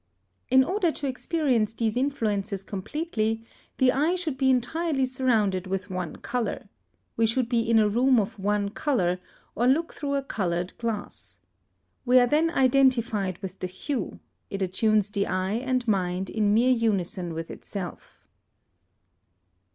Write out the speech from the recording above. In order to experience these influences completely, the eye should be entirely surrounded with one colour; we should be in a room of one colour, or look through a coloured glass. We are then identified with the hue, it attunes the eye and mind in mere unison with itself.